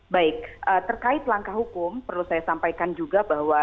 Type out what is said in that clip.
baik terkait langkah hukum perlu saya sampaikan juga bahwa